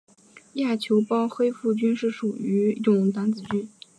亚球孢黑腹菌是属于牛肝菌目黑腹菌科黑腹菌属的一种担子菌。